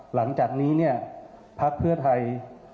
หลังจากนี้เนี่ยพักเพื่อไทย